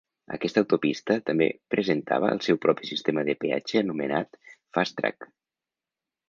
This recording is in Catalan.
Aquesta autopista també presentava el seu propi sistema de peatge anomenat "FasTrak".